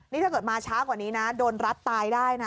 นี่ถ้าเกิดมาช้ากว่านี้นะโดนรัดตายได้นะ